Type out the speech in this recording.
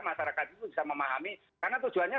masyarakat itu bisa memahami karena tujuannya